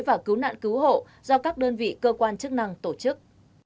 và cứu nạn cứu hộ do các đơn vị cơ quan chức năng tổ chức